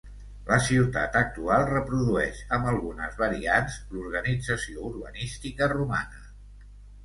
La ciutat actual reprodueix, amb algunes variants, l'organització urbanística romana.